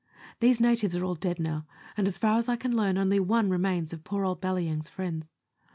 These natives are all dead now, and, as far as I can learn, only one remains of poor old Balyang's friends.